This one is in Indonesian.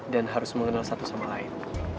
dan harus mengenal satu sama lain